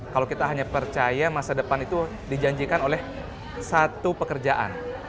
kalau kita hanya percaya masa depan itu dijanjikan oleh satu pekerjaan